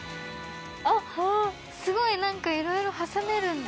あっすごい何かいろいろ挟めるんだ。